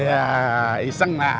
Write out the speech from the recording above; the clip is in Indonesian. ya iseng lah